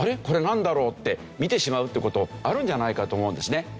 これなんだろう？って見てしまうって事あるんじゃないかと思うんですね。